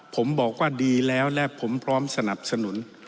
ผมบอกว่าดีแล้วและผมพร้อมสนับสนุน